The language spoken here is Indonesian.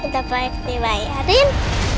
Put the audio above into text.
kita pake kebayarin